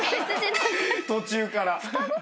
途中から。